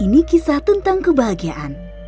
ini kisah tentang kebahagiaan